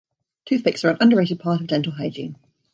Toothpicks are an underrated part of dental hygiene.